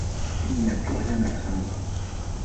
Il n’y a plus rien à craindre.